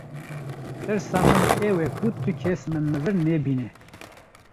Tirsa min ew e ku ti kes min li vir nebîne.